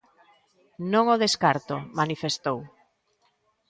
"Non o descarto", manifestou.